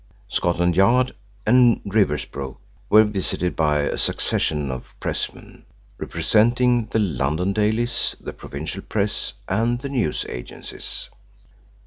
Scotland Yard and Riversbrook were visited by a succession of pressmen representing the London dailies, the provincial press, and the news agencies.